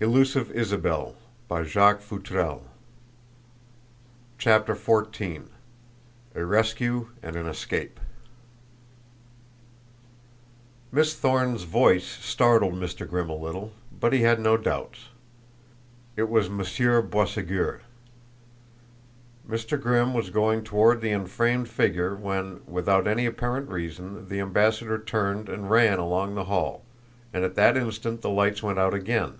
"The ambassador!" Miss Thorne whispered thrillingly. XIV A RESCUE AND AN ESCAPE Miss Thorne's voice startled Mr. Grimm a little, but he had no doubts. It was Monsieur Boisségur. Mr. Grimm was going toward the enframed figure when, without any apparent reason, the ambassador turned and ran along the hall; and at that instant the lights went out again.